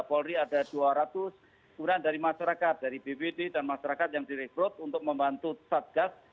kemudian dari masyarakat dari bpd dan masyarakat yang direkrut untuk membantu satgas